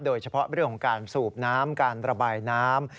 โดยเฉพาะเรื่องของการสูบน้ำการระบายน้ำ